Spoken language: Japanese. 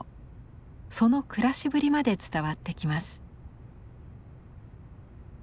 その暮らしぶりまで伝わってきます。